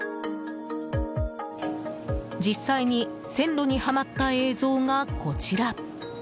実際に線路にはまった映像がこちら。